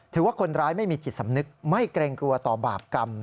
ถือว่าคนร้ายไม่มีจิตสำนึกไม่เกรงกลัวต่อบาปกรรม